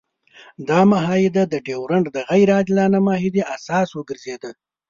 دا معاهده د ډیورنډ د غیر عادلانه معاهدې اساس وګرځېده.